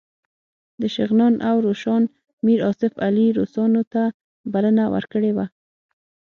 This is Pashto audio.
د شغنان او روشان میر آصف علي روسانو ته بلنه ورکړې وه.